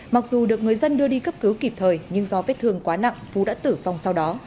mặc dù được người dân đưa đi cấp cứu kịp thời nhưng do vết thương quá nặng phú đã tử vong sau đó